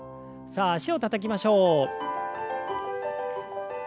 さあ脚をたたきましょう。